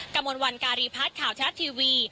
กระมวลวันการีพัฒน์ข่าวทรัฐทีวี